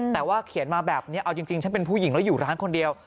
แต่ว่าเขียนมาแบบนี้เอาจริงฉันเป็นผู้หญิงแล้วอยู่ร้านคนเดียว